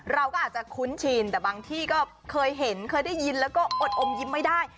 เราก็อาจจะคุ้นชินแต่บางที่ก็เคยเห็นเคยได้ยินแล้วก็อดอมยิ้มไม่ได้